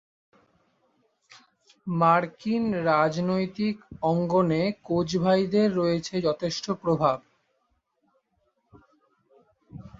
মার্কিন রাজনৈতিক অঙ্গনে কোচ ভাইদের রয়েছে যথেষ্ট প্রভাব।